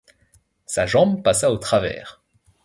Sa jambe passa au travers.